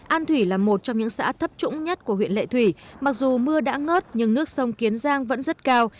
an thủy là một trong những xã thấp trũng nhất của huyện lệ thủy mặc dù mưa đã ngớt nhưng nước sông kiến giang vẫn rất cao